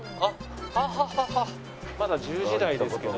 まだ１０時台ですけど。